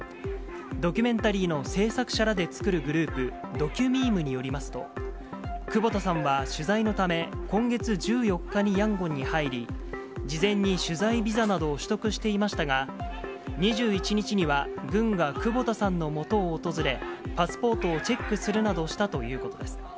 ドキュメンタリーの制作者らで作るグループ、ドキュミームによりますと、久保田さんは取材のため、今月１４日にヤンゴンに入り、事前に取材ビザなどを取得していましたが、２１日には軍が久保田さんのもとを訪れ、パスポートをチェックするなどしたということです。